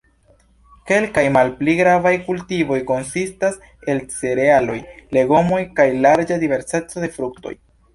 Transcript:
Kelkaj malpli gravaj kultivoj konsistas el cerealoj, legomoj kaj larĝa diverseco de fruktoj.